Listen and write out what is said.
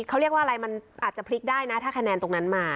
เขาเรียกว่าอะไรมันอาจจะพลิกได้นะถ้าคะแนนตรงนั้นมา